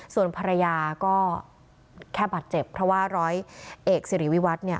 ส่วนภรรยาก็แค่บาดเจ็บเพราะว่าร้อยเอกสิริวิวัตรเนี่ย